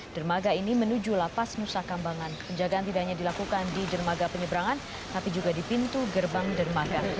dermaga ini menuju lapas nusa kambangan penjagaan tidak hanya dilakukan di dermaga penyeberangan tapi juga di pintu gerbang dermaga